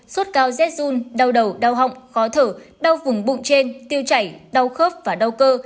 suốt cao rét dung đau đầu đau họng khó thở đau vùng bụng trên tiêu chảy đau khớp và đau cơ